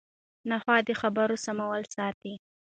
نحوه د خبرو سموالی ساتي.